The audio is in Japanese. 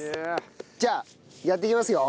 じゃあやっていきますよ。